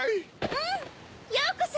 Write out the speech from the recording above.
うん！ようこそ！